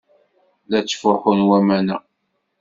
La ttfuḥun waman-a.